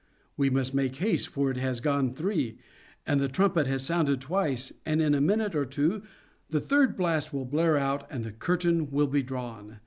We must make haste, for it has gone three, and the trumpet has sounded twice, and in a minute or two the third blast will blare out and the curtain will be drawn.